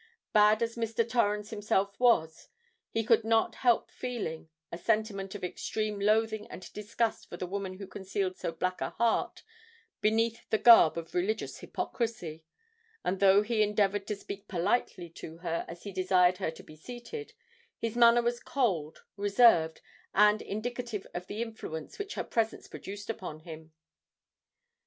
Bad as Mr. Torrens himself was, he could not help feeling a sentiment of extreme loathing and disgust for the woman who concealed so black a heart beneath the garb of religious hypocrisy;—and, though he endeavoured to speak politely to her as he desired her to be seated, his manner was cold, reserved, and indicative of the influence which her presence produced upon him.